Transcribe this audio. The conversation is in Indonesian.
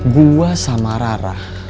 gue sama rara